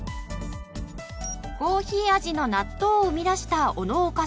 コーヒー味の納豆を生み出した小野岡さん。